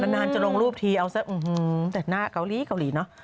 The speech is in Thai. นานจะลงรูปทีเอาซะแต่หน้าเกาหลีเกาหลีเนอะ